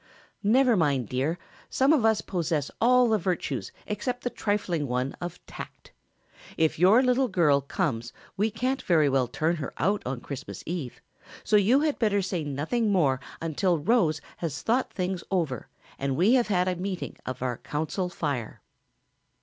"Never mind, dear, some of us possess all the virtues except the trifling one of tact. If your little girl comes we can't very well turn her out on Christmas eve, so you had better say nothing more until Rose has thought things over and we have had a meeting of our Council Fire."